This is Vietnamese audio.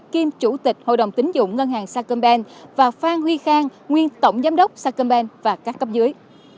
kim chủ tịch hội đồng tính dụng ngân hàng sacomban và phan huy khang nguyên tổng giám đốc sacomban và các cấp dưới